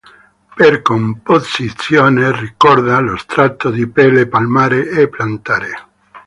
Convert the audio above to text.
Per composizione ricorda lo strato di pelle palmare e plantare.